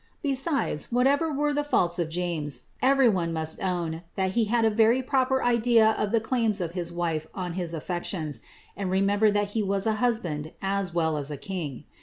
Besides, whatever were the faulls of James, every one musi own, that he had a very proper idea of the claims of a wife on his aiSe tioiis, and remenihcred ihat he was a husband as well as a king.